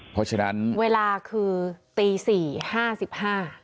เพราะฉะนั้นเวลาคือตีสี่ห้าสิบห้า